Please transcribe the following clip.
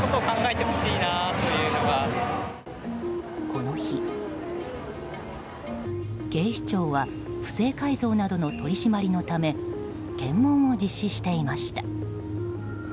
この日、警視庁は不正改造などの取り締まりのため検問を実施していました。